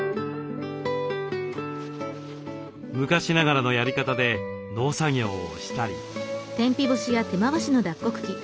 昔ながらのやり方で農作業をしたり。